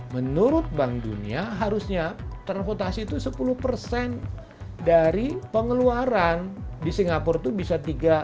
menurut bank dunia harusnya transportasi itu sepuluh persen dari pengeluaran di singapura itu bisa tiga